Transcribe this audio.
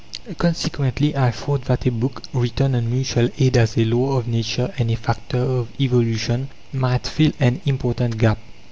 Consequently I thought that a book, written on Mutual Aid as a Law of Nature and a factor of evolution, might fill an important gap.